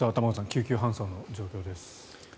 救急搬送の状況です。